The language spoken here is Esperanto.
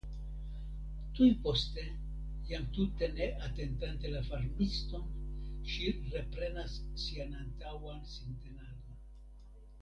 Tuj poste jam tute ne atentante la farmiston, ŝi reprenas sian antaŭan sintenadon.